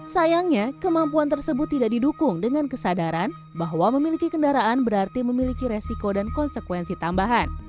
sayangnya kemampuan tersebut tidak didukung dengan kesadaran bahwa memiliki kendaraan berarti memiliki resiko dan konsekuensi tambahan